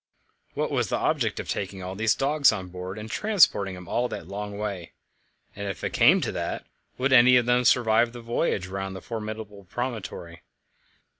What was the object of taking all these dogs on board and transporting them all that long way? And if it came to that, would any of them survive the voyage round the formidable promontory?